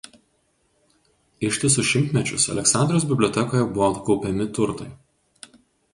Ištisus šimtmečius Aleksandrijos bibliotekoje buvo kaupiami turtai.